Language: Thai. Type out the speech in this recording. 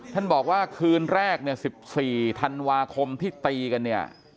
ท่านบอกว่าคืนแรกเนี่ย๑๔ธันวาคมที่ตีกันเนี่ย